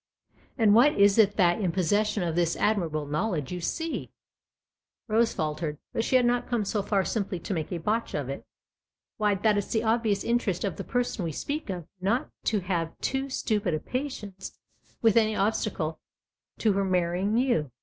" And what is it that, in possession of this admirable knowledge, you see ?" Rose faltered ; but she had not come so far simply to make a botch of it. " Why, that it's the obvious interest of the person we speak of not to have too stupid a patience with any obstacle to her marrying you."